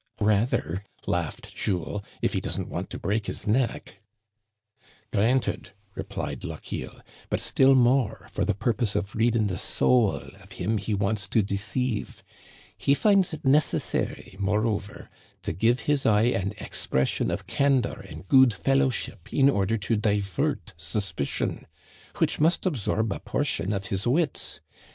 "Rather," laughed Jules, "if he doesn't want to break his neck." Digitized by VjOOQIC 48 THE CANADIANS OF OLD, " Granted," replied Lochiel, but still more for the purpose of reading the soul of him he wants to deceive. He finds it necessary, moreover, to give his eye an ex pression of candor and good fellowship in order to di vert suspicion — which must absorb a portion of his wits.